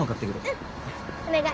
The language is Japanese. うんお願い。